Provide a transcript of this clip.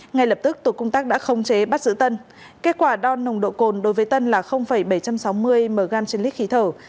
ngay lập tức tổ công tác đã không chế bắt giữ tân kết quả đo nồng độ cồn đối với tân là bảy trăm sáu mươi mg trên lít khí thở